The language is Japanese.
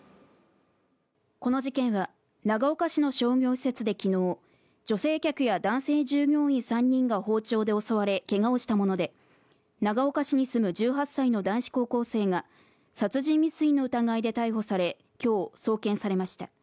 この事件は長岡市の商業施設で昨日、女性客や男性従業員３人が包丁で襲われけがをしたもので長岡市に住む１８歳の男子高校生が殺人未遂の疑いで逮捕され、今日送検されました。